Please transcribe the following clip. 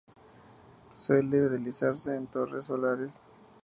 Suele utilizarse en torres solares.